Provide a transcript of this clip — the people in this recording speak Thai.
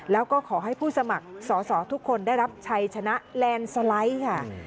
แล้วก็ขอให้ผู้สมัครสอสอทุกคนได้รับชัยชนะแลนด์สไลด์ค่ะ